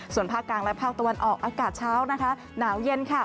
ส่วนภาคกลางและภาคตะวันออกอากาศเช้านะคะหนาวเย็น